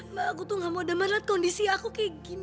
mbak aku tuh gak mau demam lihat kondisi aku kayak gini